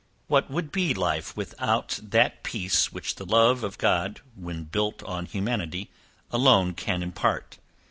What would life be without that peace which the love of God, when built on humanity, alone can impart?